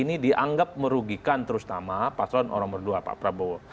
ini dianggap merugikan terus nama pasal orang berdua pak prabowo